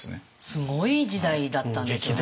すごい時代だったんですよねだからね。